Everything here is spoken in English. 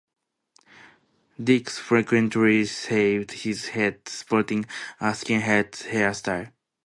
Dicks frequently shaved his head sporting a skinhead hairstyle.